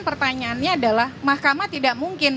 pertanyaannya adalah mahkamah tidak mungkin